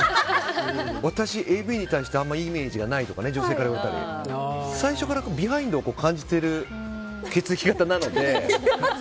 私ＡＢに対してあまりいいイメージがないって女性に言われたり最初からビハインドを感じている血液型なので。